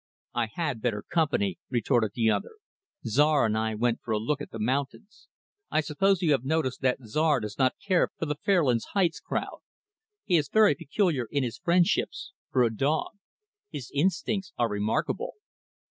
"I had better company," retorted the other. "Czar and I went for a look at the mountains. I suppose you have noticed that Czar does not care for the Fairlands Heights crowd. He is very peculiar in his friendships for a dog. His instincts are remarkable."